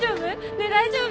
ねえ大丈夫？